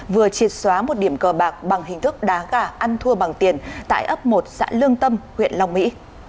vừa triệt xóa một điểm cờ bạc bằng hình thức đá gà ăn thua bằng tiền tại ấp một xã lương tâm huyện long mỹ